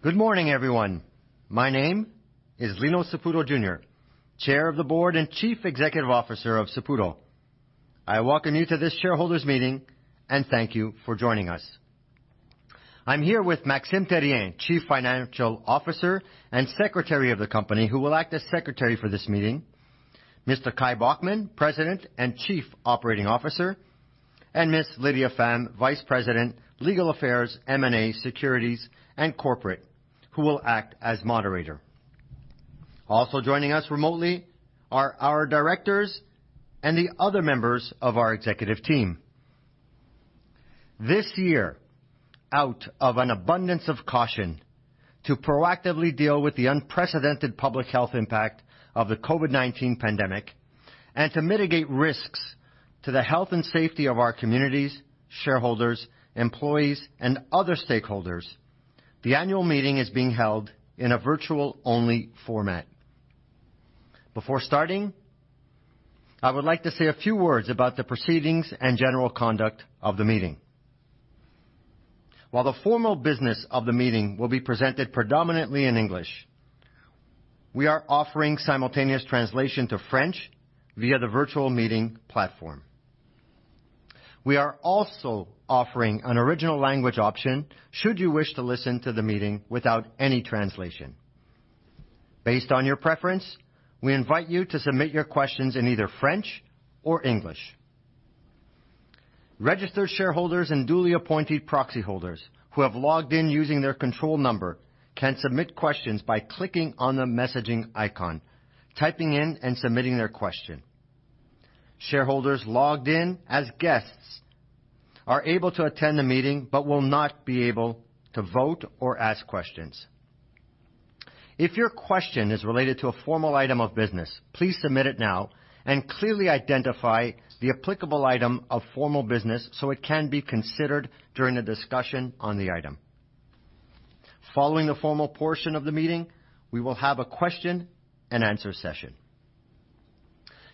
Good morning, everyone. My name is Lino Saputo, Jr., Chair of the Board and Chief Executive Officer of Saputo. I welcome you to this shareholders' meeting and thank you for joining us. I'm here with Maxime Therrien, Chief Financial Officer and Secretary of the company, who will act as secretary for this meeting, Mr. Kai Bockmann, President and Chief Operating Officer, and Ms. Lydia Pham, Vice President, Legal Affairs, M&A, Securities, and Corporate, who will act as moderator. Also joining us remotely are our directors and the other members of our executive team. This year, out of an abundance of caution to proactively deal with the unprecedented public health impact of the COVID-19 pandemic and to mitigate risks to the health and safety of our communities, shareholders, employees, and other stakeholders, the annual meeting is being held in a virtual-only format. Before starting, I would like to say a few words about the proceedings and general conduct of the meeting. While the formal business of the meeting will be presented predominantly in English, we are offering simultaneous translation to French via the virtual meeting platform. We are also offering an original language option should you wish to listen to the meeting without any translation. Based on your preference, we invite you to submit your questions in either French or English. Registered shareholders and duly appointed proxy holders who have logged in using their control number can submit questions by clicking on the messaging icon, typing in and submitting their question. Shareholders logged in as guests are able to attend the meeting but will not be able to vote or ask questions. If your question is related to a formal item of business, please submit it now and clearly identify the applicable item of formal business so it can be considered during the discussion on the item. Following the formal portion of the meeting, we will have a question-and-answer session.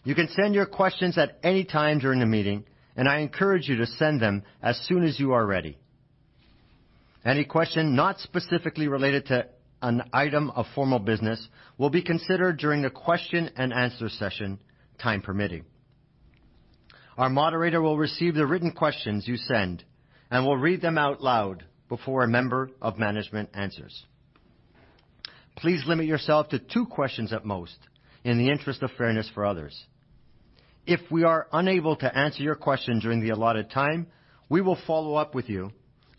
You can send your questions at any time during the meeting, and I encourage you to send them as soon as you are ready. Any question not specifically related to an item of formal business will be considered during the question-and-answer session, time permitting. Our moderator will receive the written questions you send and will read them out loud before a member of management answers. Please limit yourself to two questions at most in the interest of fairness for others. If we are unable to answer your question during the allotted time, we will follow up with you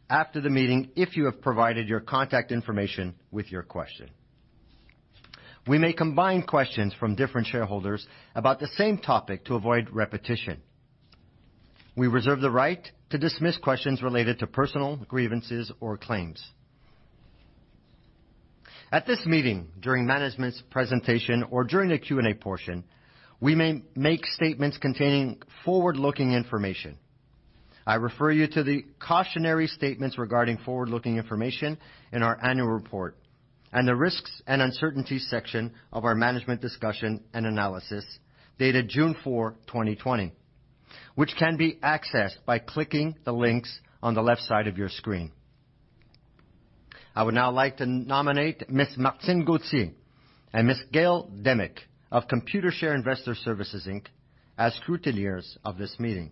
after the meeting if you have provided your contact information with your question. We may combine questions from different shareholders about the same topic to avoid repetition. We reserve the right to dismiss questions related to personal grievances or claims. At this meeting during management's presentation or during the Q&A portion, we may make statements containing forward-looking information. I refer you to the cautionary statements regarding forward-looking information in our annual report and the risks and uncertainties section of our management discussion and analysis dated June 4th, 2020, which can be accessed by clicking the links on the left side of your screen. I would now like to nominate Ms. Maxine Gauthier and Ms. Gail Demick of Computershare Investor Services Inc. as scrutineers of this meeting.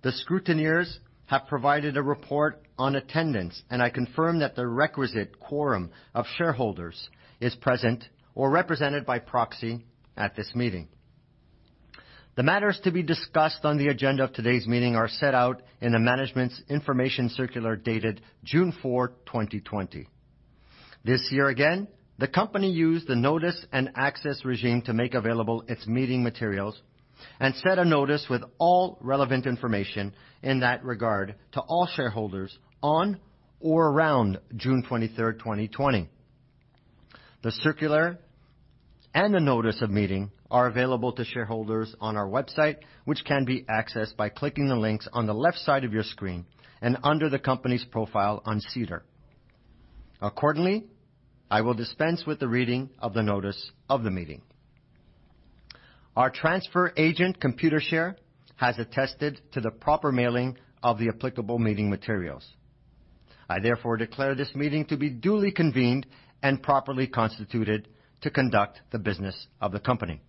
The scrutineers have provided a report on attendance. I confirm that the requisite quorum of shareholders is present or represented by proxy at this meeting. The matters to be discussed on the agenda of today's meeting are set out in the management's information circular dated June 4th, 2020. This year again, the company used the notice and access regime to make available its meeting materials and set a notice with all relevant information in that regard to all shareholders on or around June 23rd, 2020. The circular and the notice of meeting are available to shareholders on our website, which can be accessed by clicking the links on the left side of your screen and under the company's profile on SEDAR. Accordingly, I will dispense with the reading of the notice of the meeting. Our transfer agent, Computershare, has attested to the proper mailing of the applicable meeting materials. I therefore declare this meeting to be duly convened and properly constituted to conduct the business of the company.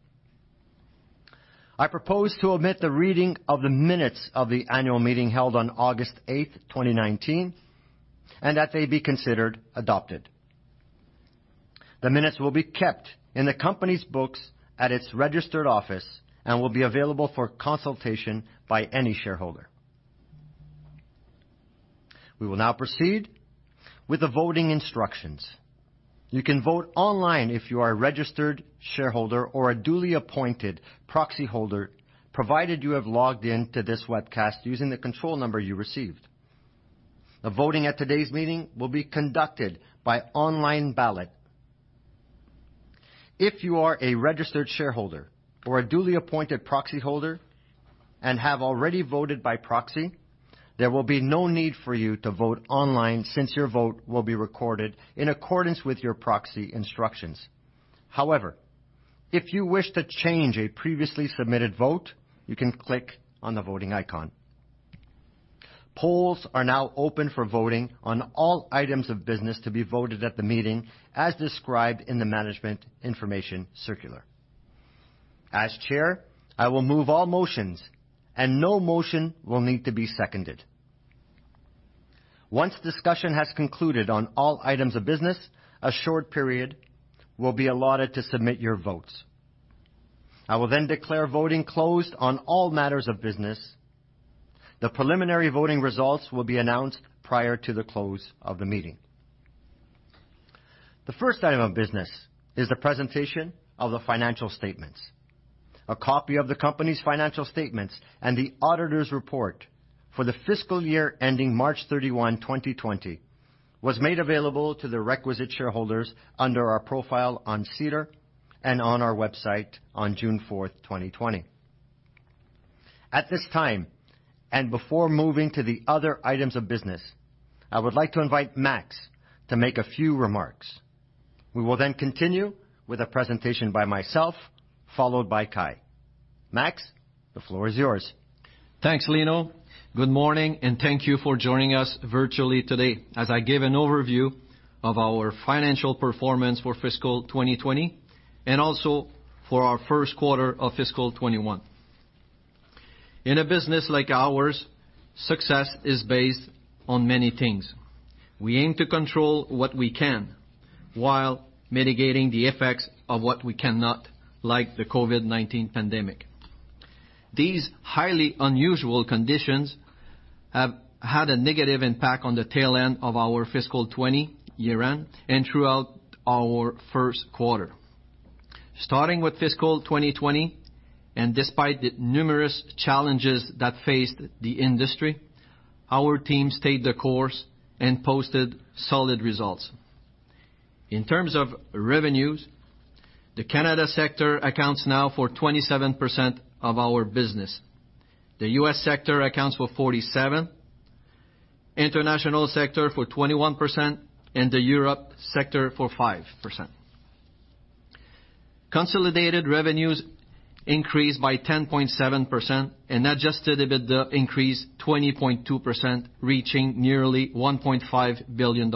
I propose to omit the reading of the minutes of the annual meeting held on August 8th, 2019, and that they be considered adopted. The minutes will be kept in the company's books at its registered office and will be available for consultation by any shareholder. We will now proceed with the voting instructions. You can vote online if you are a registered shareholder or a duly appointed proxyholder, provided you have logged in to this webcast using the control number you received. The voting at today's meeting will be conducted by online ballot. If you are a registered shareholder or a duly appointed proxyholder and have already voted by proxy, there will be no need for you to vote online since your vote will be recorded in accordance with your proxy instructions. However, if you wish to change a previously submitted vote, you can click on the voting icon. Polls are now open for voting on all items of business to be voted at the meeting, as described in the management information circular. As chair, I will move all motions, and no motion will need to be seconded. Once discussion has concluded on all items of business, a short period will be allotted to submit your votes. I will then declare voting closed on all matters of business. The preliminary voting results will be announced prior to the close of the meeting. The first item of business is the presentation of the financial statements. A copy of the company's financial statements and the auditor's report for the fiscal year ending March 31, 2020, was made available to the requisite shareholders under our profile on SEDAR and on our website on June 4th, 2020. At this time, and before moving to the other items of business, I would like to invite Max to make a few remarks. We will continue with a presentation by myself, followed by Kai. Max, the floor is yours. Thanks, Lino. Good morning, and thank you for joining us virtually today as I give an overview of our financial performance for fiscal 2020, and also for our first quarter of fiscal 2021. In a business like ours, success is based on many things. We aim to control what we can while mitigating the effects of what we cannot, like the COVID-19 pandemic. These highly unusual conditions have had a negative impact on the tail end of our fiscal 2020 year-end and throughout our first quarter. Starting with fiscal 2020, and despite the numerous challenges that faced the industry, our team stayed the course and posted solid results. In terms of revenues, the Canada sector accounts now for 27% of our business. The U.S. sector accounts for 47%, international sector for 21%, and the Europe sector for 5%. Consolidated revenues increased by 10.7% and adjusted EBITDA increased 20.2%, reaching nearly CAD 1.5 billion.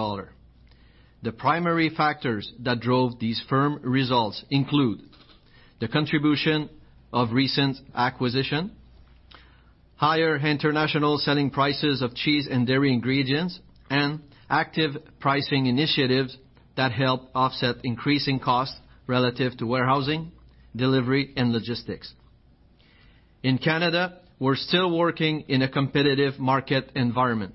The primary factors that drove these firm results include the contribution of recent acquisition, higher international selling prices of cheese and dairy ingredients, and active pricing initiatives that help offset increasing costs relative to warehousing, delivery, and logistics. In Canada, we're still working in a competitive market environment.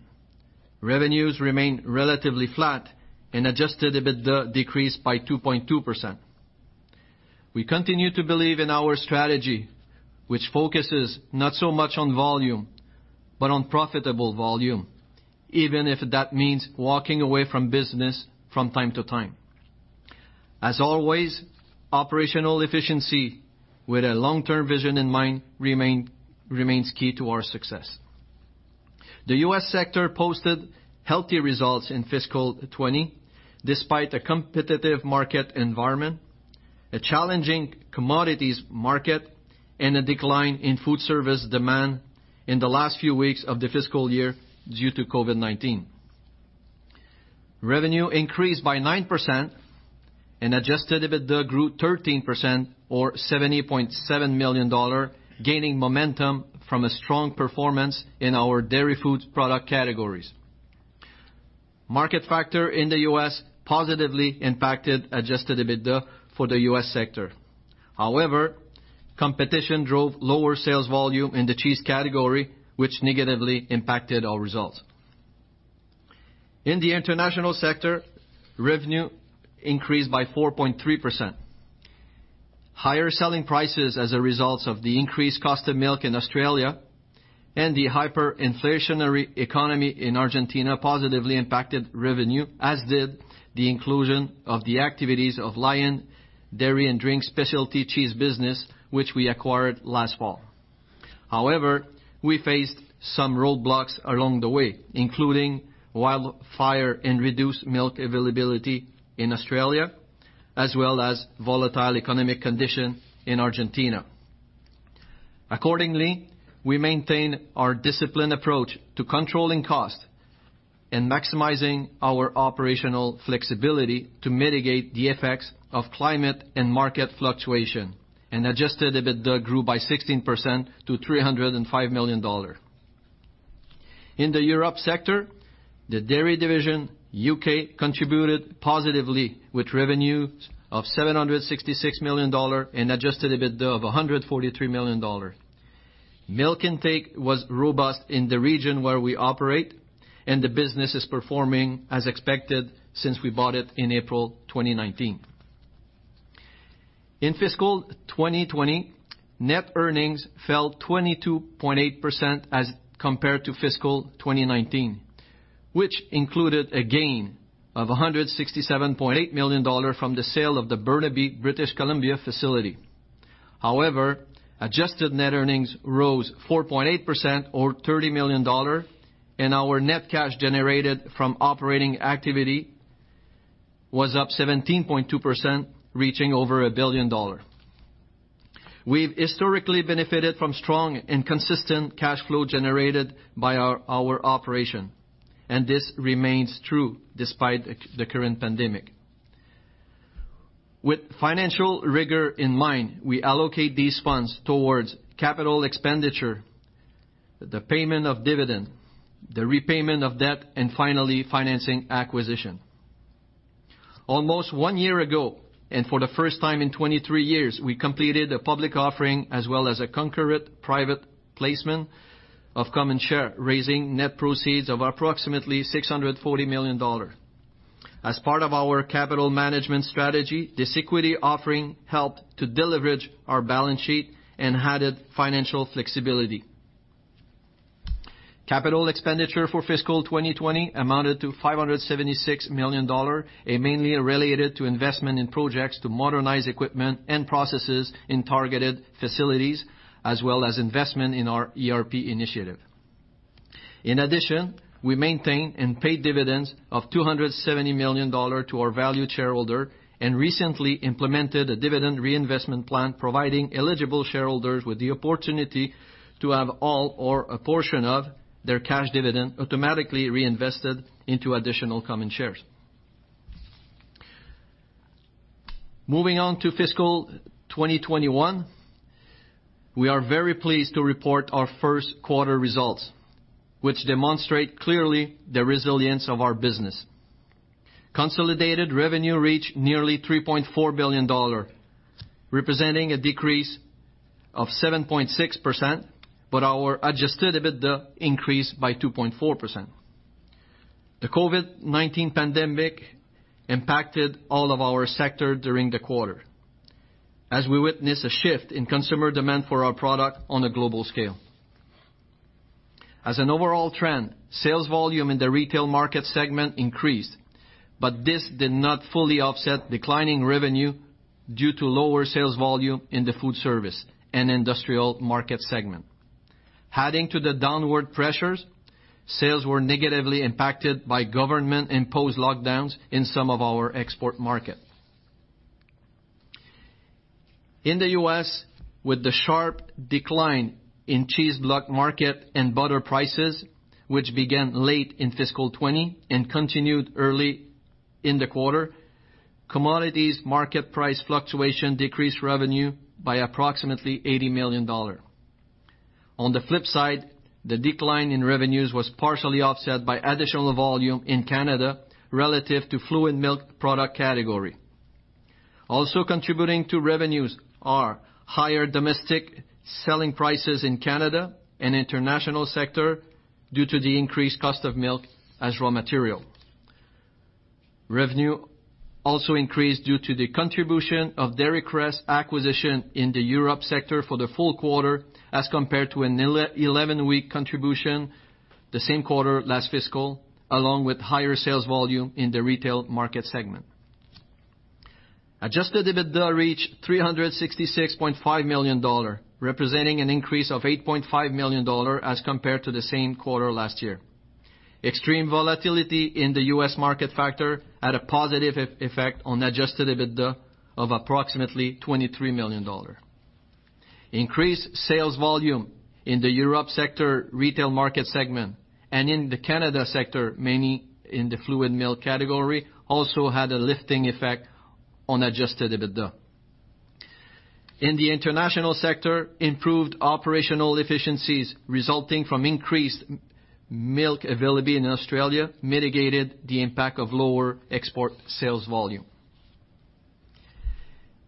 Revenues remain relatively flat and adjusted EBITDA decreased by 2.2%. We continue to believe in our strategy, which focuses not so much on volume but on profitable volume, even if that means walking away from business from time to time. As always, operational efficiency with a long-term vision in mind remains key to our success. The U.S. sector posted healthy results in fiscal 2020, despite a competitive market environment, a challenging commodities market, and a decline in food service demand in the last few weeks of the fiscal year due to COVID-19. Revenue increased by 9% and adjusted EBITDA grew 13% or CAD 70.7 million, gaining momentum from a strong performance in our dairy foods product categories. Market factor in the U.S. positively impacted adjusted EBITDA for the U.S. sector. Competition drove lower sales volume in the cheese category, which negatively impacted our results. In the international sector, revenue increased by 4.3%. Higher selling prices as a result of the increased cost of milk in Australia and the hyperinflationary economy in Argentina positively impacted revenue, as did the inclusion of the activities of Lion Dairy & Drinks specialty cheese business, which we acquired last fall. However, we faced some roadblocks along the way, including wildfire and reduced milk availability in Australia, as well as volatile economic condition in Argentina. Accordingly, we maintain our disciplined approach to controlling cost and maximizing our operational flexibility to mitigate the effects of climate and market fluctuation, and adjusted EBITDA grew by 16% to 305 million dollars. In the Europe sector, the Dairy Division U.K. contributed positively with revenues of 766 million dollar and adjusted EBITDA of 143 million dollar. Milk intake was robust in the region where we operate, and the business is performing as expected since we bought it in April 2019. In fiscal 2020, net earnings fell 22.8% as compared to fiscal 2019, which included a gain of 167.8 million dollars from the sale of the Burnaby British Columbia facility. Adjusted net earnings rose 4.8%, or 30 million dollar, and our net cash generated from operating activity was up 17.2%, reaching over 1 billion dollars. We've historically benefited from strong and consistent cash flow generated by our operation, and this remains true despite the current pandemic. With financial rigor in mind, we allocate these funds towards capital expenditure, the payment of dividend, the repayment of debt, and finally, financing acquisition. Almost one year ago, for the first time in 23 years, we completed a public offering as well as a concurrent private placement of common share, raising net proceeds of approximately CAD 640 million. As part of our capital management strategy, this equity offering helped to deleverage our balance sheet and added financial flexibility. Capital expenditure for fiscal 2020 amounted to 576 million dollar, and mainly related to investment in projects to modernize equipment and processes in targeted facilities, as well as investment in our ERP initiative. In addition, we maintained and paid dividends of 270 million dollars to our valued shareholder and recently implemented a dividend reinvestment plan, providing eligible shareholders with the opportunity to have all or a portion of their cash dividend automatically reinvested into additional common shares. Moving on to fiscal 2021, we are very pleased to report our first quarter results, which demonstrate clearly the resilience of our business. Consolidated revenue reached nearly 3.4 billion dollar, representing a decrease of 7.6%, but our adjusted EBITDA increased by 2.4%. The COVID-19 pandemic impacted all of our sector during the quarter, as we witnessed a shift in consumer demand for our product on a global scale. As an overall trend, sales volume in the retail market segment increased, but this did not fully offset declining revenue due to lower sales volume in the food service and industrial market segment. Adding to the downward pressures, sales were negatively impacted by government-imposed lockdowns in some of our export markets. In the U.S., with the sharp decline in cheese block market and butter prices, which began late in fiscal 2020 and continued early in the quarter, commodities market price fluctuation decreased revenue by approximately 80 million dollar. On the flip side, the decline in revenues was partially offset by additional volume in Canada relative to fluid milk product category. Also contributing to revenues are higher domestic selling prices in Canada and international sector due to the increased cost of milk as raw material. Revenue also increased due to the contribution of Dairy Crest acquisition in the Europe sector for the full quarter, as compared to an 11-week contribution the same quarter last fiscal, along with higher sales volume in the retail market segment. Adjusted EBITDA reached CAD 366.5 million, representing an increase of CAD 8.5 million as compared to the same quarter last year. Extreme volatility in the U.S. market factor had a positive effect on adjusted EBITDA of approximately 23 million dollar. Increased sales volume in the Europe sector retail market segment and in the Canada sector, mainly in the fluid milk category, also had a lifting effect on adjusted EBITDA. In the international sector, improved operational efficiencies resulting from increased milk availability in Australia mitigated the impact of lower export sales volume.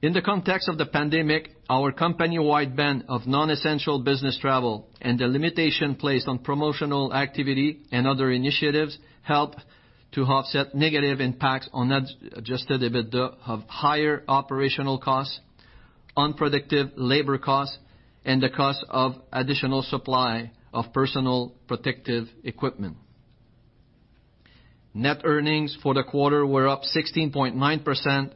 In the context of the pandemic, our company-wide ban of non-essential business travel and the limitation placed on promotional activity and other initiatives helped to offset negative impacts on adjusted EBITDA of higher operational costs, unpredictable labor costs, and the cost of additional supply of personal protective equipment. Net earnings for the quarter were up 16.9%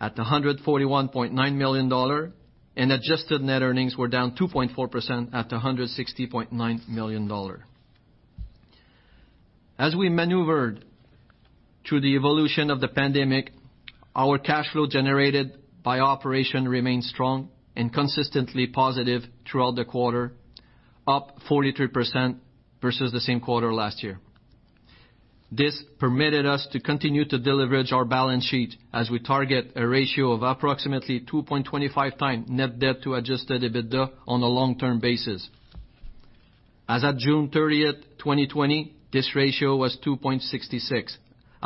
at 141.9 million dollar. Adjusted net earnings were down 2.4% at 160.9 million dollar. As we maneuvered through the evolution of the pandemic, our cash flow generated by operation remained strong and consistently positive throughout the quarter, up 43% versus the same quarter last year. This permitted us to continue to deleverage our balance sheet as we target a ratio of approximately 2.25 times net debt to adjusted EBITDA on a long-term basis. As at June 30th, 2020, this ratio was 2.66,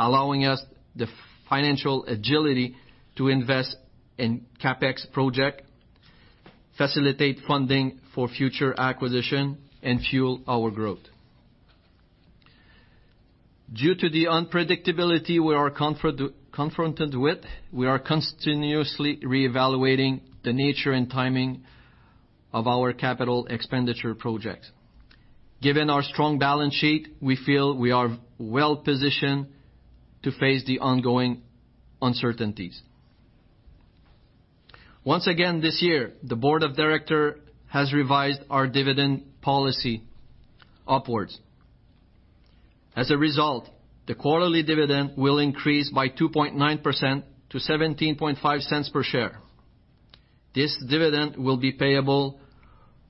allowing us the financial agility to invest in CapEx project, facilitate funding for future acquisition, and fuel our growth. Due to the unpredictability we are confronted with, we are continuously reevaluating the nature and timing of our capital expenditure projects. Given our strong balance sheet, we feel we are well-positioned to face the ongoing uncertainties. Once again this year, the board of directors has revised our dividend policy upwards. As a result, the quarterly dividend will increase by 2.9% to 0.175 per share. This dividend will be payable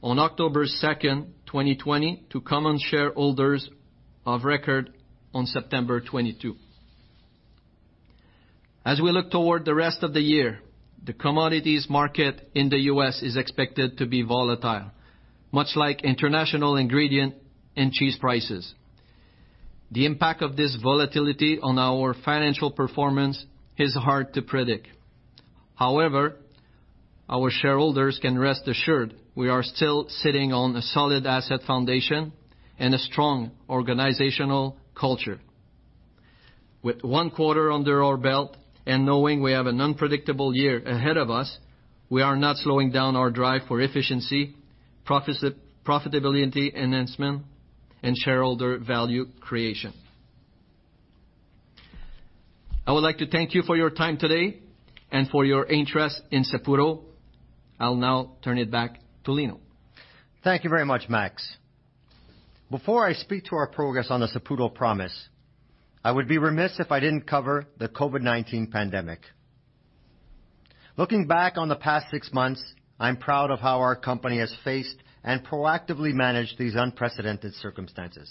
on October 2nd, 2020, to common shareholders of record on September 22. As we look toward the rest of the year, the commodities market in the U.S. is expected to be volatile, much like international ingredient and cheese prices. The impact of this volatility on our financial performance is hard to predict. However, our shareholders can rest assured we are still sitting on a solid asset foundation and a strong organizational culture. With one quarter under our belt and knowing we have an unpredictable year ahead of us, we are not slowing down our drive for efficiency, profitability enhancement, and shareholder value creation. I would like to thank you for your time today and for your interest in Saputo. I'll now turn it back to Lino. Thank you very much, Max. Before I speak to our progress on the Saputo Promise, I would be remiss if I didn't cover the COVID-19 pandemic. Looking back on the past six months, I'm proud of how our company has faced and proactively managed these unprecedented circumstances.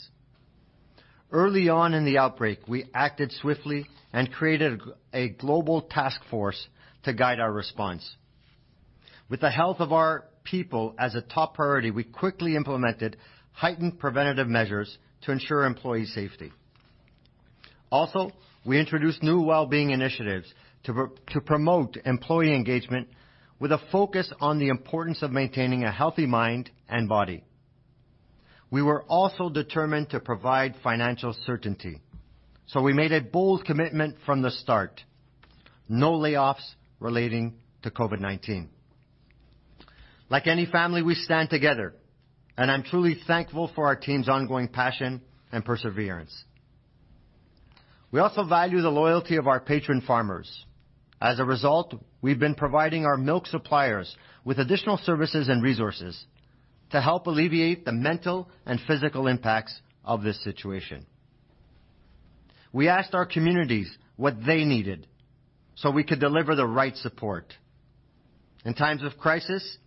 Early on in the outbreak, we acted swiftly and created a global task force to guide our response. With the health of our people as a top priority, we quickly implemented heightened preventative measures to ensure employee safety. Also, we introduced new wellbeing initiatives to promote employee engagement with a focus on the importance of maintaining a healthy mind and body. We were also determined to provide financial certainty, we made a bold commitment from the start, no layoffs relating to COVID-19. Like any family, we stand together, and I'm truly thankful for our team's ongoing passion and perseverance. We also value the loyalty of our patron farmers. As a result, we've been providing our milk suppliers with additional services and resources to help alleviate the mental and physical impacts of this situation. We asked our communities what they needed so we could deliver the right support. In times of crisis,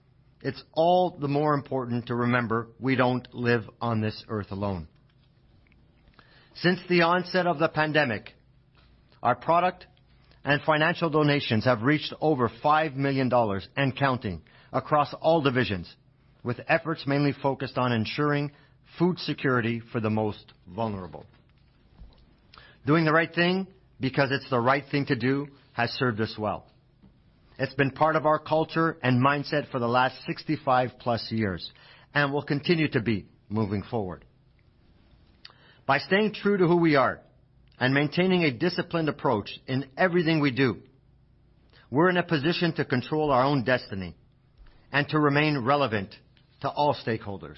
it's all the more important to remember we don't live on this earth alone. Since the onset of the pandemic, our product and financial donations have reached over 5 million dollars and counting across all divisions, with efforts mainly focused on ensuring food security for the most vulnerable. Doing the right thing because it's the right thing to do has served us well. It's been part of our culture and mindset for the last 65+ years and will continue to be moving forward. By staying true to who we are and maintaining a disciplined approach in everything we do, we're in a position to control our own destiny and to remain relevant to all stakeholders,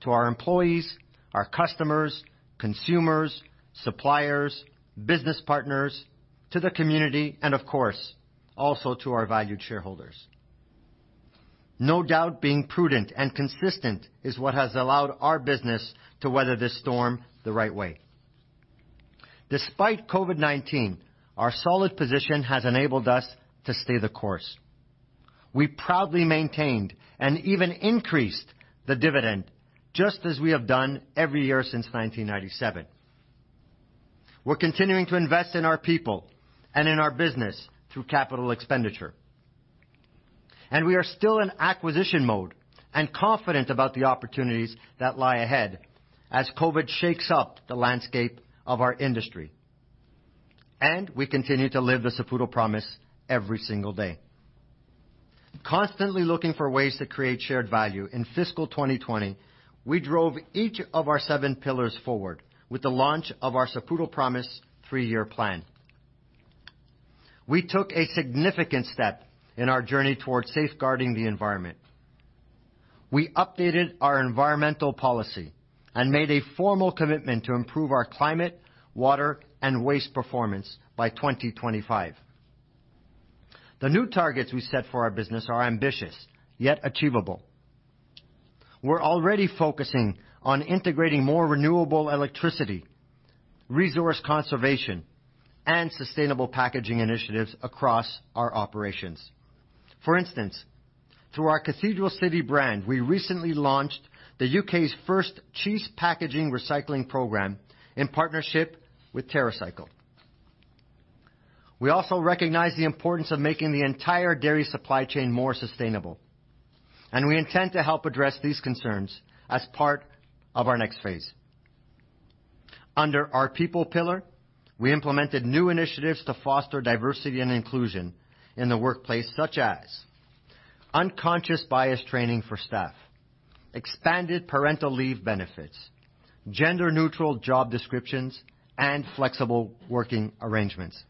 to our employees, our customers, consumers, suppliers, business partners, to the community, and of course, also to our valued shareholders. Being prudent and consistent is what has allowed our business to weather this storm the right way. Despite COVID-19, our solid position has enabled us to stay the course. We proudly maintained and even increased the dividend, just as we have done every year since 1997. We're continuing to invest in our people and in our business through capital expenditure. We are still in acquisition mode and confident about the opportunities that lie ahead as COVID shakes up the landscape of our industry. We continue to live the Saputo Promise every single day. Constantly looking for ways to create shared value, in fiscal 2020, we drove each of our seven pillars forward with the launch of our Saputo Promise three-year plan. We took a significant step in our journey towards safeguarding the environment. We updated our environmental policy and made a formal commitment to improve our climate, water, and waste performance by 2025. The new targets we set for our business are ambitious, yet achievable. We're already focusing on integrating more renewable electricity, resource conservation, and sustainable packaging initiatives across our operations. For instance, through our Cathedral City brand, we recently launched the U.K.'s first cheese packaging recycling program in partnership with TerraCycle. We also recognize the importance of making the entire dairy supply chain more sustainable, and we intend to help address these concerns as part of our next phase. Under our people pillar, we implemented new initiatives to foster diversity and inclusion in the workplace, such as unconscious bias training for staff, expanded parental leave benefits, gender-neutral job descriptions, and flexible working arrangements.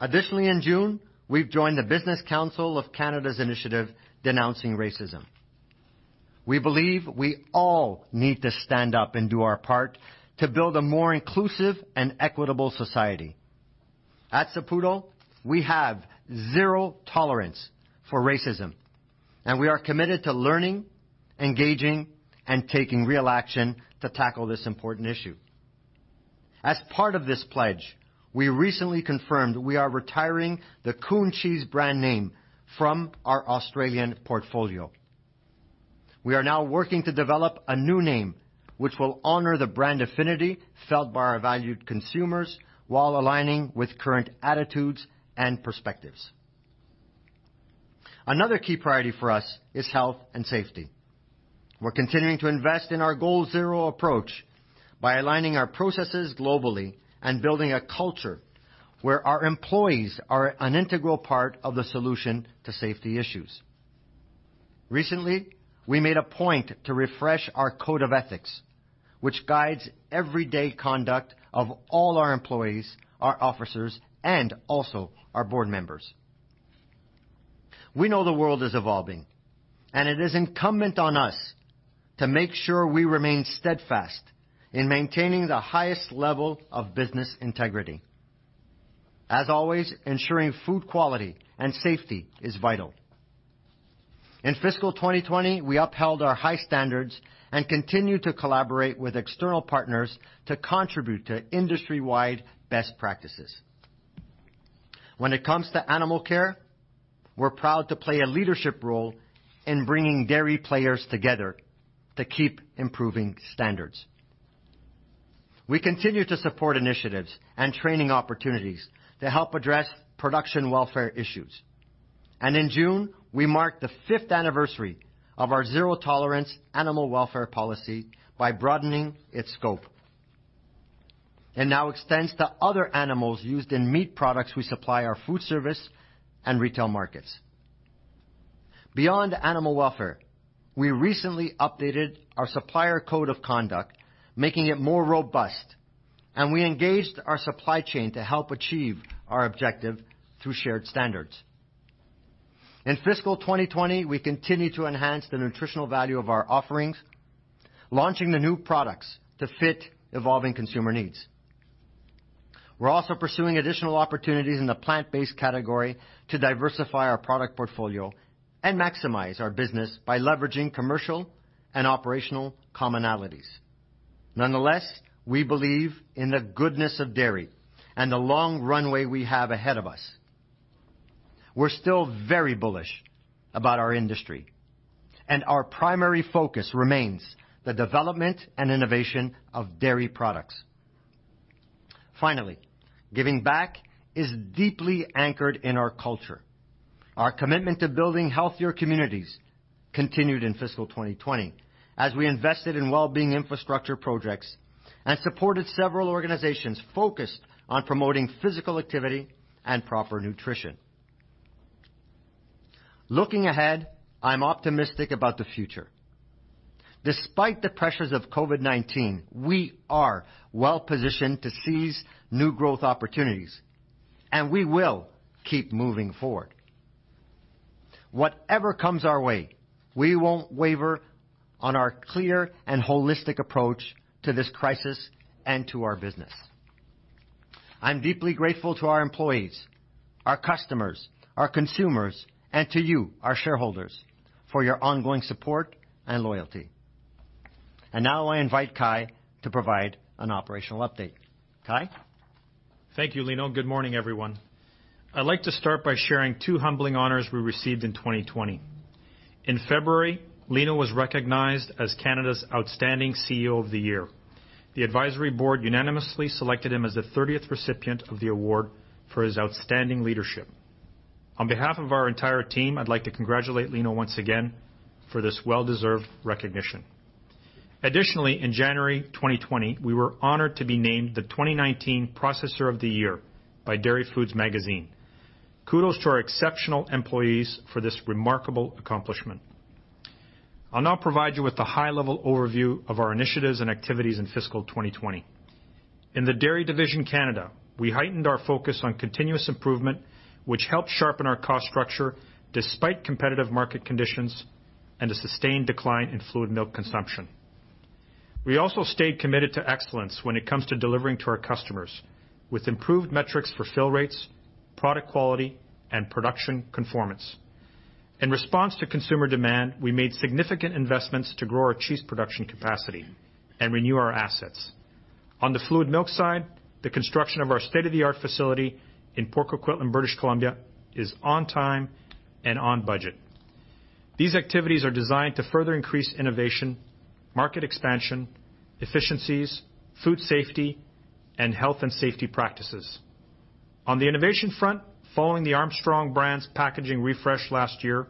Additionally, in June, we've joined the Business Council of Canada's initiative denouncing racism. We believe we all need to stand up and do our part to build a more inclusive and equitable society. At Saputo, we have zero tolerance for racism, and we are committed to learning, engaging, and taking real action to tackle this important issue. As part of this pledge, we recently confirmed we are retiring the Coon Cheese brand name from our Australian portfolio. We are now working to develop a new name, which will honor the brand affinity felt by our valued consumers while aligning with current attitudes and perspectives. Another key priority for us is health and safety. We're continuing to invest in our Goal Zero approach by aligning our processes globally and building a culture where our employees are an integral part of the solution to safety issues. Recently, we made a point to refresh our code of ethics, which guides everyday conduct of all our employees, our officers, and also our board members. We know the world is evolving, and it is incumbent on us to make sure we remain steadfast in maintaining the highest level of business integrity. As always, ensuring food quality and safety is vital. In fiscal 2020, we upheld our high standards and continued to collaborate with external partners to contribute to industry-wide best practices. When it comes to animal care, we're proud to play a leadership role in bringing dairy players together to keep improving standards. We continue to support initiatives and training opportunities to help address production welfare issues. In June, we marked the fifth anniversary of our zero-tolerance animal welfare policy by broadening its scope. It now extends to other animals used in meat products we supply our food service and retail markets. Beyond animal welfare, we recently updated our supplier code of conduct, making it more robust, and we engaged our supply chain to help achieve our objective through shared standards. In fiscal 2020, we continued to enhance the nutritional value of our offerings, launching the new products to fit evolving consumer needs. We're also pursuing additional opportunities in the plant-based category to diversify our product portfolio and maximize our business by leveraging commercial and operational commonalities. Nonetheless, we believe in the goodness of dairy and the long runway we have ahead of us. We're still very bullish about our industry, and our primary focus remains the development and innovation of dairy products. Finally, giving back is deeply anchored in our culture. Our commitment to building healthier communities continued in fiscal 2020 as we invested in wellbeing infrastructure projects and supported several organizations focused on promoting physical activity and proper nutrition. Looking ahead, I'm optimistic about the future. Despite the pressures of COVID-19, we are well-positioned to seize new growth opportunities, and we will keep moving forward. Whatever comes our way, we won't waver on our clear and holistic approach to this crisis and to our business. I'm deeply grateful to our employees, our customers, our consumers, and to you, our shareholders, for your ongoing support and loyalty. Now I invite Kai to provide an operational update. Kai? Thank you, Lino. Good morning, everyone. I'd like to start by sharing two humbling honors we received in 2020. In February, Lino was recognized as Canada's Outstanding CEO of the Year. The advisory board unanimously selected him as the 30th recipient of the award for his outstanding leadership. On behalf of our entire team, I'd like to congratulate Lino once again for this well-deserved recognition. Additionally, in January 2020, we were honored to be named the 2019 Processor of the Year by Dairy Foods Magazine. Kudos to our exceptional employees for this remarkable accomplishment. I'll now provide you with a high-level overview of our initiatives and activities in fiscal 2020. In the Dairy Division Canada, we heightened our focus on continuous improvement, which helped sharpen our cost structure despite competitive market conditions and a sustained decline in fluid milk consumption. We also stayed committed to excellence when it comes to delivering to our customers, with improved metrics for fill rates, product quality, and production conformance. In response to consumer demand, we made significant investments to grow our cheese production capacity and renew our assets. On the fluid milk side, the construction of our state-of-the-art facility in Port Coquitlam, British Columbia, is on time and on budget. These activities are designed to further increase innovation, market expansion, efficiencies, food safety, and health and safety practices. On the innovation front, following the Armstrong brand's packaging refresh last year,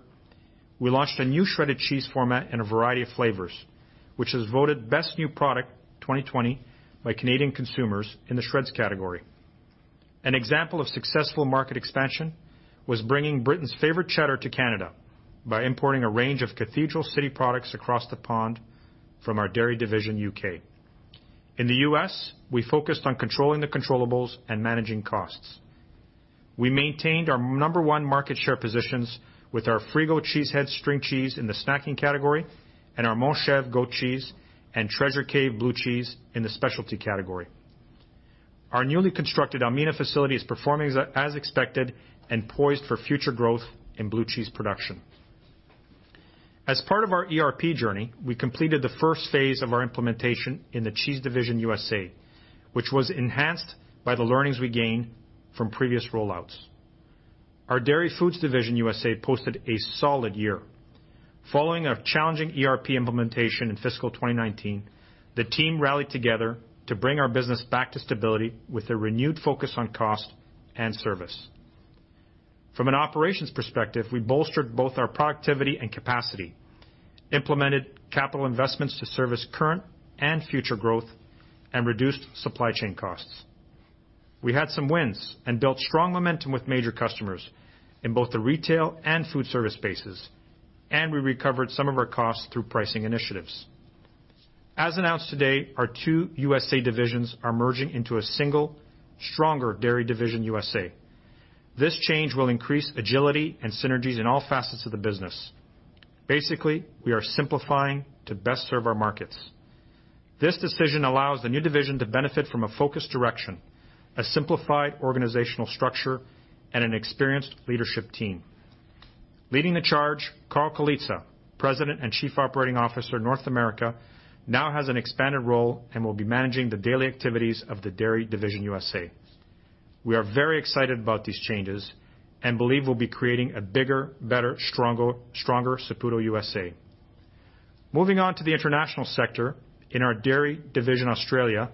we launched a new shredded cheese format in a variety of flavors, which was voted Best New Product 2020 by Canadian consumers in the shreds category. An example of successful market expansion was bringing Britain's favorite cheddar to Canada by importing a range of Cathedral City products across the pond from our Dairy Division U.K. In the U.S., we focused on controlling the controllables and managing costs. We maintained our number one market share positions with our Frigo Cheese Heads string cheese in the snacking category and our Montchevre goat cheese and Treasure Cave blue cheese in the specialty category. Our newly constructed Almena facility is performing as expected and poised for future growth in blue cheese production. As part of our ERP journey, we completed the first phase of our implementation in the cheese division U.S.A., which was enhanced by the learnings we gained from previous rollouts. Our dairy foods division U.S.A. posted a solid year. Following a challenging ERP implementation in fiscal 2019, the team rallied together to bring our business back to stability with a renewed focus on cost and service. From an operations perspective, we bolstered both our productivity and capacity, implemented capital investments to service current and future growth, and reduced supply chain costs. We had some wins and built strong momentum with major customers in both the retail and food service spaces, and we recovered some of our costs through pricing initiatives. As announced today, our two USA divisions are merging into a single stronger Dairy Division USA. This change will increase agility and synergies in all facets of the business. Basically, we are simplifying to best serve our markets. This decision allows the new division to benefit from a focused direction, a simplified organizational structure, and an experienced leadership team. Leading the charge, Carl Colizza, President and Chief Operating Officer, North America, now has an expanded role and will be managing the daily activities of the Dairy Division USA. We are very excited about these changes and believe we'll be creating a bigger, better, stronger Saputo USA. Moving on to the international sector in our Dairy Division Australia,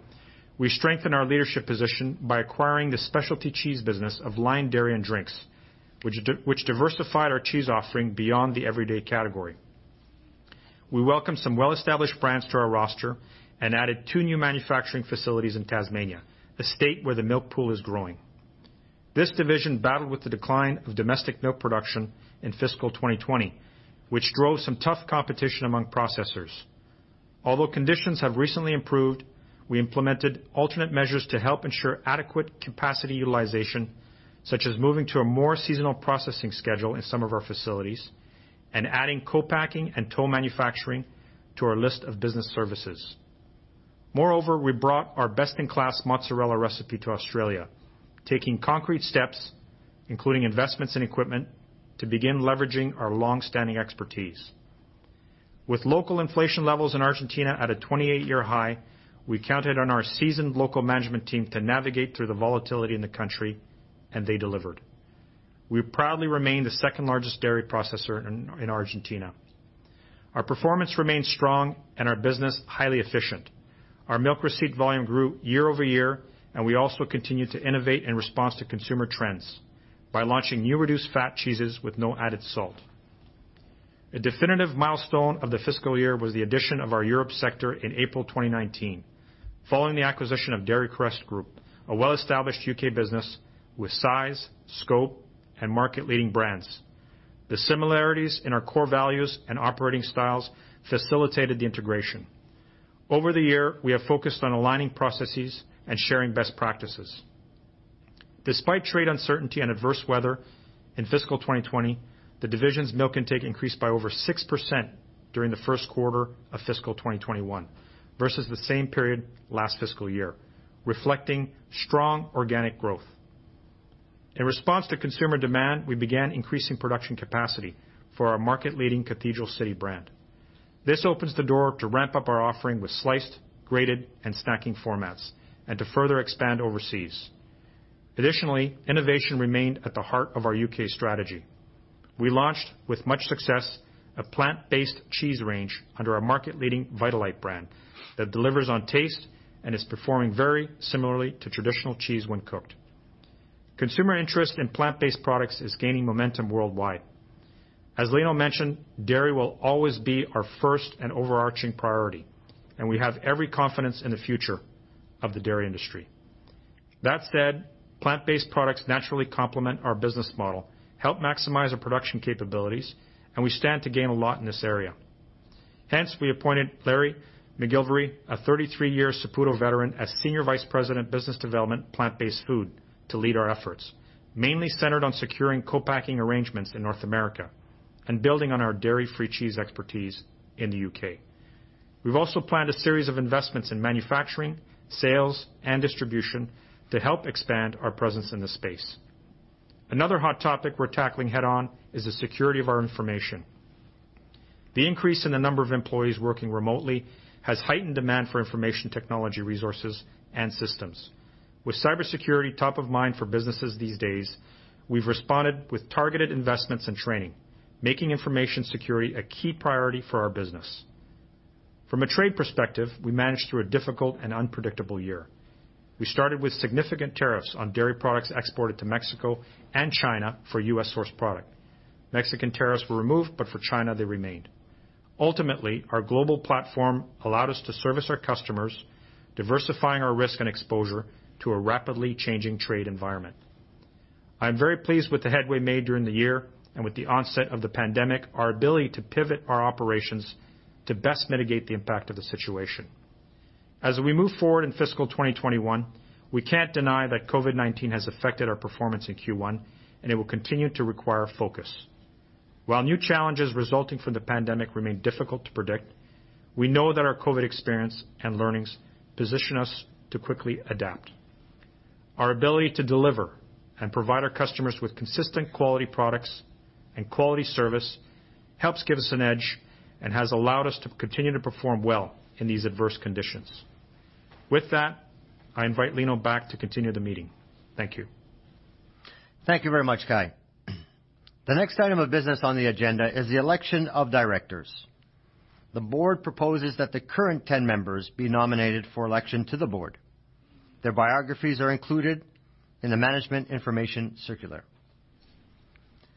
we strengthened our leadership position by acquiring the specialty cheese business of Lion Dairy & Drinks, which diversified our cheese offering beyond the everyday category. We welcomed some well-established brands to our roster and added two new manufacturing facilities in Tasmania, the state where the milk pool is growing. This division battled with the decline of domestic milk production in fiscal 2020, which drove some tough competition among processors. Although conditions have recently improved, we implemented alternate measures to help ensure adequate capacity utilization, such as moving to a more seasonal processing schedule in some of our facilities and adding co-packing and toll manufacturing to our list of business services. We brought our best-in-class mozzarella recipe to Australia, taking concrete steps, including investments in equipment, to begin leveraging our long-standing expertise. With local inflation levels in Argentina at a 28-year high, we counted on our seasoned local management team to navigate through the volatility in the country, and they delivered. We proudly remain the second-largest dairy processor in Argentina. Our performance remains strong and our business highly efficient. Our milk receipt volume grew year-over-year, and we also continued to innovate in response to consumer trends by launching new reduced-fat cheeses with no added salt. A definitive milestone of the fiscal year was the addition of our Europe sector in April 2019. Following the acquisition of Dairy Crest Group, a well-established U.K. business with size, scope, and market-leading brands. The similarities in our core values and operating styles facilitated the integration. Over the year, we have focused on aligning processes and sharing best practices. Despite trade uncertainty and adverse weather in fiscal 2020, the division's milk intake increased by over 6% during the first quarter of fiscal 2021 versus the same period last fiscal year, reflecting strong organic growth. In response to consumer demand, we began increasing production capacity for our market-leading Cathedral City brand. This opens the door to ramp up our offering with sliced, grated, and snacking formats and to further expand overseas. Additionally, innovation remained at the heart of our U.K. strategy. We launched with much success, a plant-based cheese range under our market-leading Vitalite brand that delivers on taste and is performing very similarly to traditional cheese when cooked. Consumer interest in plant-based products is gaining momentum worldwide. As Lino mentioned, dairy will always be our first and overarching priority, and we have every confidence in the future of the dairy industry. That said, plant-based products naturally complement our business model, help maximize our production capabilities, and we stand to gain a lot in this area. Hence, we appointed Larry McGilvray, a 33-year Saputo veteran, as Senior Vice President, Business Development Plant-based Food, to lead our efforts, mainly centered on securing co-packing arrangements in North America and building on our dairy-free cheese expertise in the U.K. We've also planned a series of investments in manufacturing, sales, and distribution to help expand our presence in the space. Another hot topic we're tackling head-on is the security of our information. The increase in the number of employees working remotely has heightened demand for information technology resources and systems. With cybersecurity top of mind for businesses these days, we've responded with targeted investments and training, making information security a key priority for our business. From a trade perspective, we managed through a difficult and unpredictable year. We started with significant tariffs on dairy products exported to Mexico and China for U.S.-sourced product. Mexican tariffs were removed, but for China, they remained. Ultimately, our global platform allowed us to service our customers, diversifying our risk and exposure to a rapidly changing trade environment. I'm very pleased with the headway made during the year, and with the onset of the pandemic, our ability to pivot our operations to best mitigate the impact of the situation. As we move forward in fiscal 2021, we can't deny that COVID-19 has affected our performance in Q1, and it will continue to require focus. While new challenges resulting from the pandemic remain difficult to predict, we know that our COVID experience and learnings position us to quickly adapt. Our ability to deliver and provide our customers with consistent quality products and quality service helps give us an edge and has allowed us to continue to perform well in these adverse conditions. With that, I invite Lino back to continue the meeting. Thank you. Thank you very much, Kai. The next item of business on the agenda is the election of directors. The board proposes that the current 10 members be nominated for election to the board. Their biographies are included in the management information circular.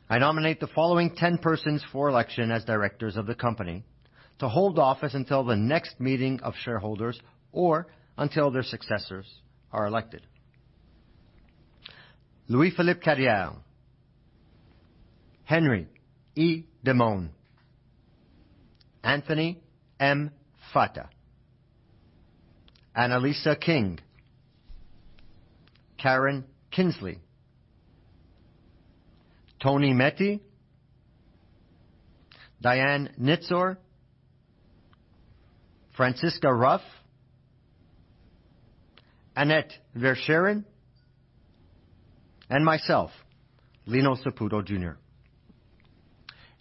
I nominate the following 10 persons for election as directors of the company to hold office until the next meeting of shareholders or until their successors are elected. Louis-Philippe Carrière, Henry E. Demone, Anthony M. Fata, Annalisa King, Karen Kinsley, Tony Meti, Diane Nyisztor, Franziska Ruf, Annette Verschuren, and myself, Lino Saputo, Jr.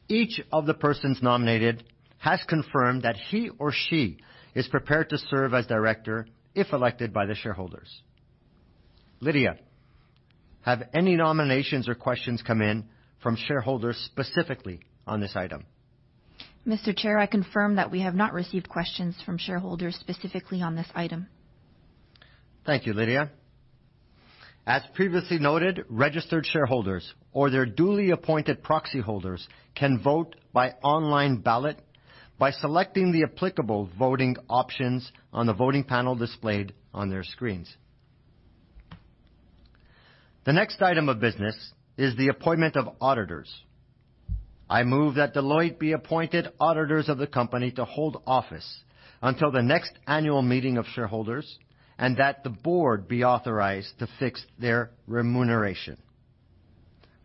Each of the persons nominated has confirmed that he or she is prepared to serve as director if elected by the shareholders. Lydia, have any nominations or questions come in from shareholders specifically on this item? Mr. Chair, I confirm that we have not received questions from shareholders specifically on this item. Thank you, Lydia. As previously noted, registered shareholders or their duly appointed proxy holders can vote by online ballot by selecting the applicable voting options on the voting panel displayed on their screens. The next item of business is the appointment of auditors. I move that Deloitte be appointed auditors of the company to hold office until the next annual meeting of shareholders, and that the board be authorized to fix their remuneration.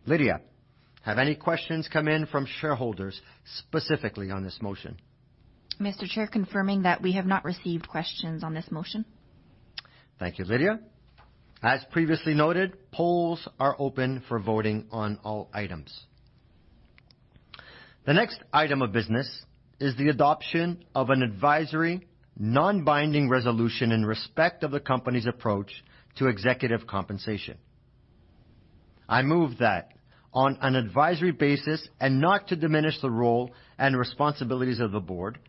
Lydia, have any questions come in from shareholders specifically on this motion? Mr. Chair, confirming that we have not received questions on this motion. Thank you, Lydia. As previously noted, polls are open for voting on all items. The next item of business is the adoption of an advisory, non-binding resolution in respect of the company's approach to executive compensation. I move that on an advisory basis and not to diminish the role and responsibilities of the board,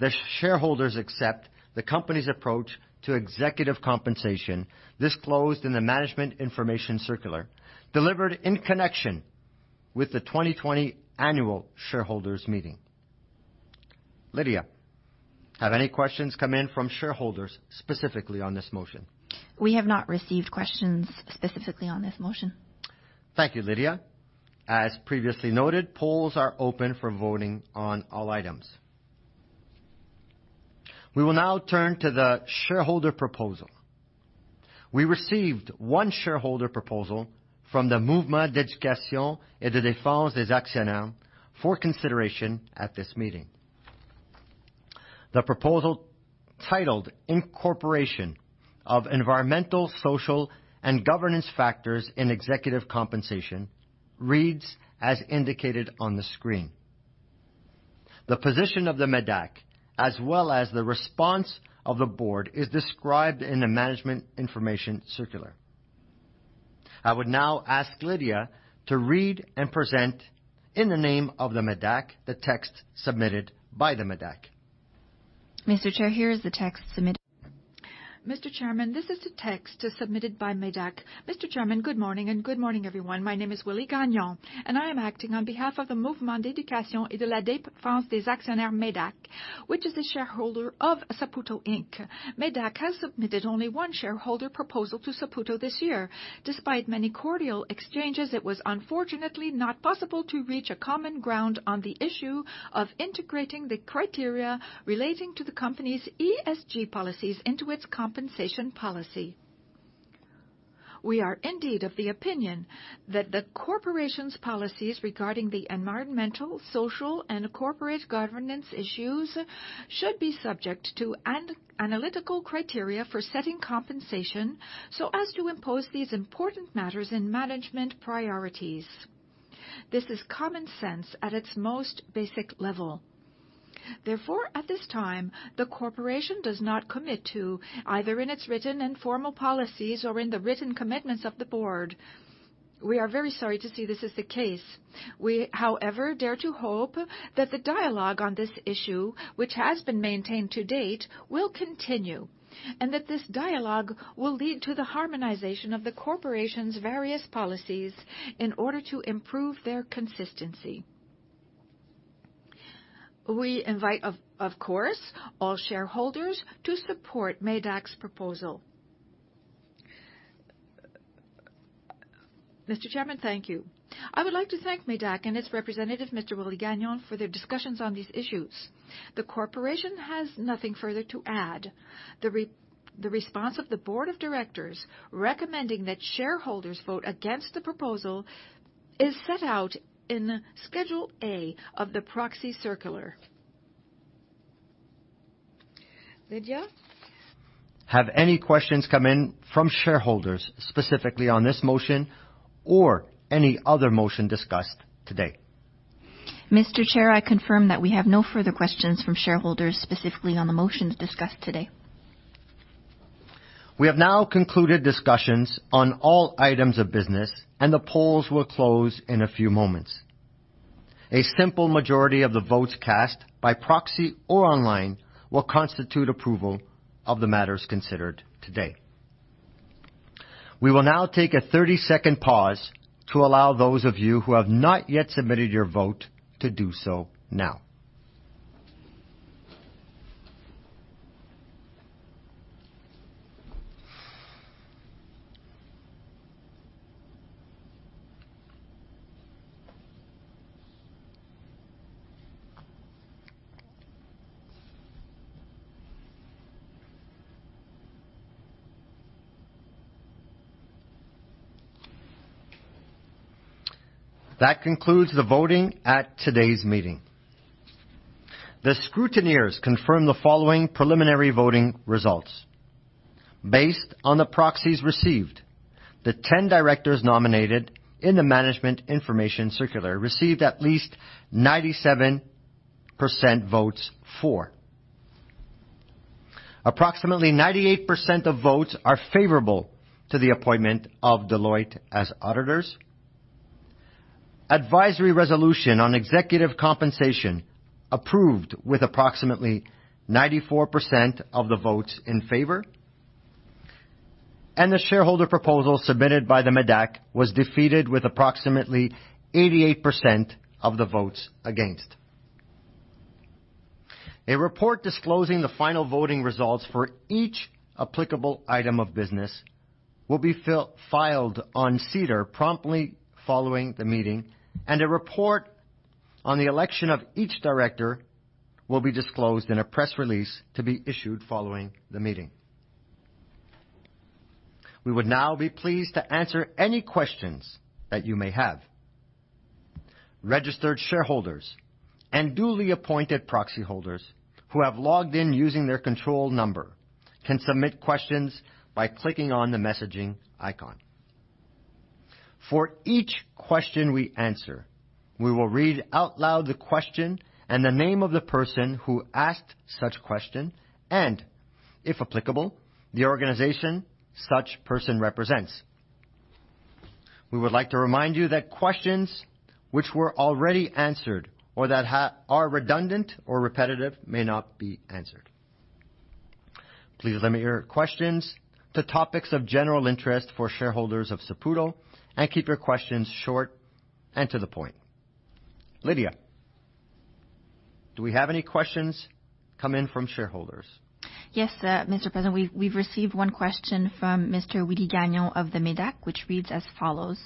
the shareholders accept the company's approach to executive compensation disclosed in the management information circular delivered in connection with the 2020 annual shareholders meeting. Lydia, have any questions come in from shareholders specifically on this motion? We have not received questions specifically on this motion. Thank you, Lydia. As previously noted, polls are open for voting on all items. We will now turn to the shareholder proposal. We received one shareholder proposal from the Mouvement d'éducation et de défense des actionnaires for consideration at this meeting. The proposal, titled Incorporation of Environmental, Social and Governance Factors in Executive Compensation, reads as indicated on the screen. The position of the MÉDAC as well as the response of the board is described in the management information circular. I would now ask Lydia to read and present in the name of the MÉDAC the text submitted by the MÉDAC. Mr. Chair, here is the text submitted. Mr. Chairman, this is the text submitted by MÉDAC. Mr. Chairman, good morning and good morning, everyone. My name is Willie Gagnon, and I am acting on behalf of the Mouvement d'éducation et de défense des actionnaires, MÉDAC, which is a shareholder of Saputo Inc. MÉDAC has submitted only one shareholder proposal to Saputo this year. Despite many cordial exchanges, it was unfortunately not possible to reach a common ground on the issue of integrating the criteria relating to the company's ESG policies into its compensation policy. We are indeed of the opinion that the corporation's policies regarding the environmental, social, and corporate governance issues should be subject to analytical criteria for setting compensation so as to impose these important matters in management priorities. This is common sense at its most basic level. Therefore, at this time, the corporation does not commit to either in its written and formal policies or in the written commitments of the board. We are very sorry to see this is the case. We, however, dare to hope that the dialogue on this issue, which has been maintained to date, will continue, and that this dialogue will lead to the harmonization of the corporation's various policies in order to improve their consistency. We invite, of course, all shareholders to support MEDAC's proposal. Mr. Chairman, thank you. I would like to thank MEDAC and its representative, Mr. Willie Gagnon, for their discussions on these issues. The corporation has nothing further to add. The response of the board of directors recommending that shareholders vote against the proposal is set out in Schedule A of the proxy circular. Lydia? Have any questions come in from shareholders, specifically on this motion or any other motion discussed today? Mr. Chair, I confirm that we have no further questions from shareholders, specifically on the motions discussed today. We have now concluded discussions on all items of business, and the polls will close in a few moments. A simple majority of the votes cast by proxy or online will constitute approval of the matters considered today. We will now take a 30-second pause to allow those of you who have not yet submitted your vote to do so now. That concludes the voting at today's meeting. The scrutineers confirm the following preliminary voting results. Based on the proxies received, the 10 directors nominated in the management information circular received at least 97% votes in favor. Approximately 98% of votes are favorable to the appointment of Deloitte as auditors. Advisory resolution on executive compensation approved with approximately 94% of the votes in favor. The shareholder proposal submitted by the MEDAC was defeated with approximately 88% of the votes against. A report disclosing the final voting results for each applicable item of business will be filed on SEDAR promptly following the meeting, and a report on the election of each director will be disclosed in a press release to be issued following the meeting. We would now be pleased to answer any questions that you may have. Registered shareholders and duly appointed proxy holders who have logged in using their control number can submit questions by clicking on the messaging icon. For each question we answer, we will read out loud the question and the name of the person who asked such question, and if applicable, the organization such person represents. We would like to remind you that questions which were already answered or that are redundant or repetitive may not be answered. Please limit your questions to topics of general interest for shareholders of Saputo and keep your questions short and to the point. Lydia, do we have any questions come in from shareholders? Yes, Mr. President, we've received one question from Mr. Willie Gagnon of the MEDAC, which reads as follows: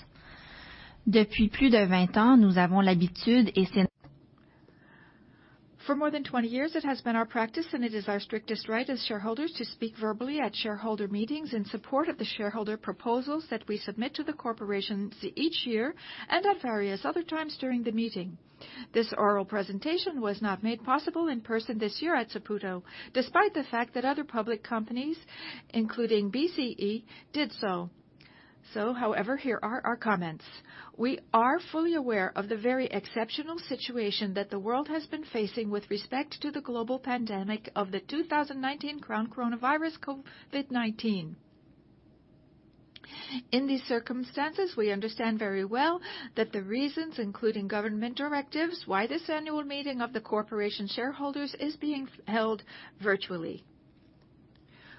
For more than 20 years, it has been our practice, and it is our strictest right as shareholders to speak verbally at shareholder meetings in support of the shareholder proposals that we submit to the corporations each year and at various other times during the meeting. This oral presentation was not made possible in person this year at Saputo, despite the fact that other public companies, including BCE, did so. However, here are our comments. We are fully aware of the very exceptional situation that the world has been facing with respect to the global pandemic of the 2019 coronavirus, COVID-19. In these circumstances, we understand very well that the reasons, including government directives, why this annual meeting of the corporation shareholders is being held virtually.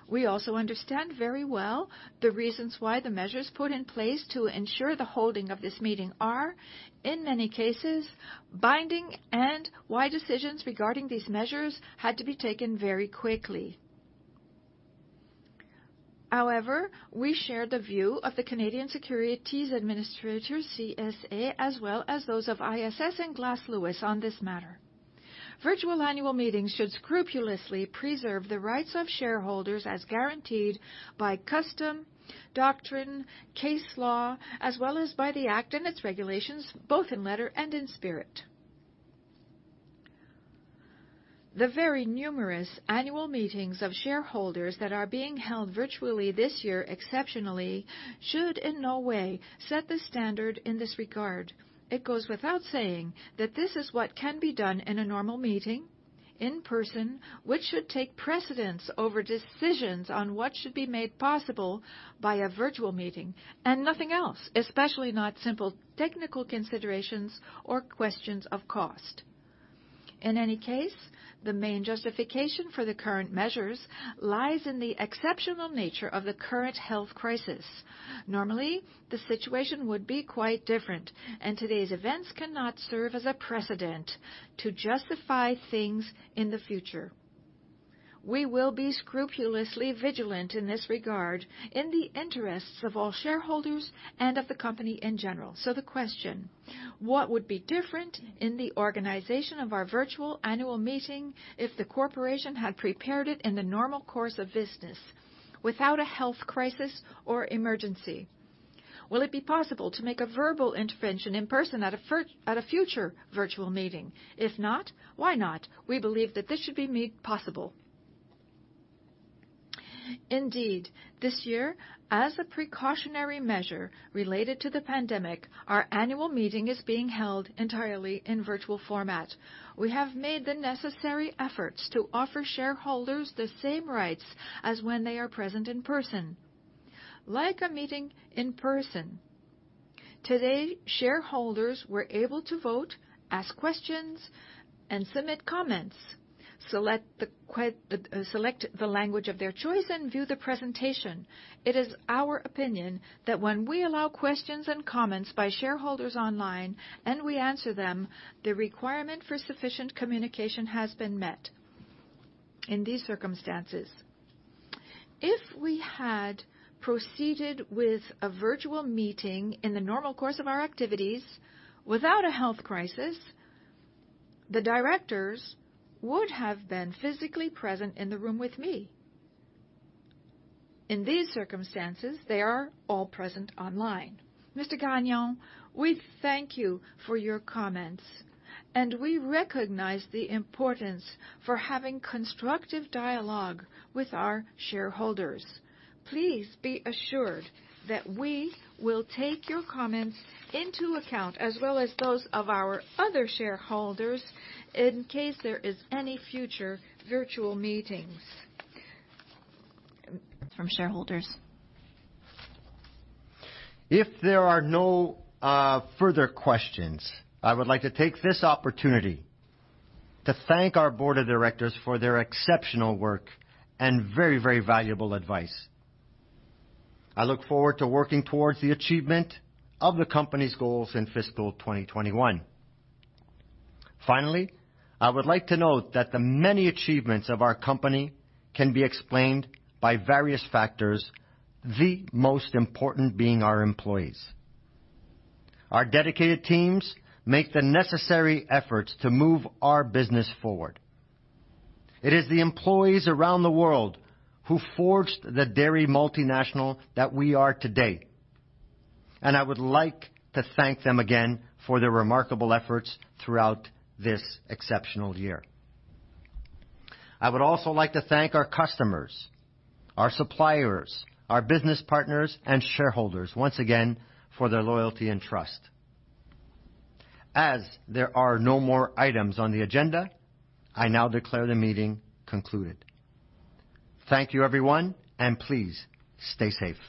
We also understand very well the reasons why the measures put in place to ensure the holding of this meeting are, in many cases, binding, and why decisions regarding these measures had to be taken very quickly. We share the view of the Canadian Securities Administrators, CSA, as well as those of ISS and Glass Lewis on this matter. Virtual annual meetings should scrupulously preserve the rights of shareholders as guaranteed by custom, doctrine, case law, as well as by the Act and its regulations, both in letter and in spirit. The very numerous annual meetings of shareholders that are being held virtually this year exceptionally should in no way set the standard in this regard. It goes without saying that this is what can be done in a normal meeting in person, which should take precedence over decisions on what should be made possible by a virtual meeting and nothing else, especially not simple technical considerations or questions of cost. In any case, the main justification for the current measures lies in the exceptional nature of the current health crisis. Normally, the situation would be quite different, and today's events cannot serve as a precedent to justify things in the future. We will be scrupulously vigilant in this regard in the interests of all shareholders and of the company in general. The question, what would be different in the organization of our virtual annual meeting if the corporation had prepared it in the normal course of business without a health crisis or emergency? Will it be possible to make a verbal intervention in person at a future virtual meeting? If not, why not? We believe that this should be made possible. Indeed, this year, as a precautionary measure related to the pandemic, our annual meeting is being held entirely in virtual format. We have made the necessary efforts to offer shareholders the same rights as when they are present in person. Like a meeting in person, today, shareholders were able to vote, ask questions, and submit comments, select the language of their choice, and view the presentation. It is our opinion that when we allow questions and comments by shareholders online, and we answer them, the requirement for sufficient communication has been met in these circumstances. If we had proceeded with a virtual meeting in the normal course of our activities without a health crisis, the directors would have been physically present in the room with me. In these circumstances, they are all present online. Mr. Gagnon, we thank you for your comments. We recognize the importance for having constructive dialogue with our shareholders. Please be assured that we will take your comments into account, as well as those of our other shareholders, in case there is any future virtual meetings. From shareholders. If there are no further questions, I would like to take this opportunity to thank our board of directors for their exceptional work and very, very valuable advice. I look forward to working towards the achievement of the company's goals in fiscal 2021. Finally, I would like to note that the many achievements of our company can be explained by various factors, the most important being our employees. Our dedicated teams make the necessary efforts to move our business forward. It is the employees around the world who forged the dairy multinational that we are today, and I would like to thank them again for their remarkable efforts throughout this exceptional year. I would also like to thank our customers, our suppliers, our business partners, and shareholders once again for their loyalty and trust. As there are no more items on the agenda, I now declare the meeting concluded. Thank you, everyone, and please stay safe.